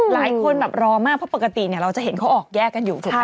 หลายคนแบบรอมากเพราะปกติเราจะเห็นเขาออกแยกกันอยู่ถูกไหม